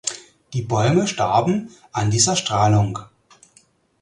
Die Bäume starben an dieser Strahlung.